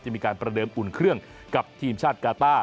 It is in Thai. มีการประเดิมอุ่นเครื่องกับทีมชาติกาต้า